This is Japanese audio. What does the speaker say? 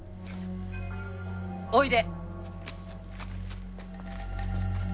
おいで！